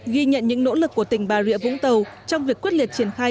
ghi nhận những nỗ lực của tỉnh bà rịa vũng tàu trong việc quyết liệt triển khai